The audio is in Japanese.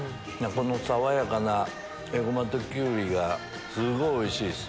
爽やかなエゴマとキュウリがすごいおいしいっす。